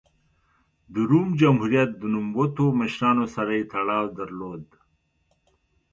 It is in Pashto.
د روم جمهوریت د نوموتو مشرانو سره یې تړاو درلود